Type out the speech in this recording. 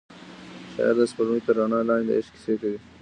شاعر د سپوږمۍ تر رڼا لاندې د عشق کیسې کوي.